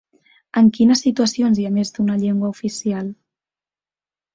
En quines situacions hi ha més d’una llengua oficial?